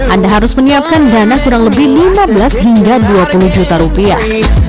anda harus menyiapkan dana kurang lebih lima belas hingga dua puluh juta rupiah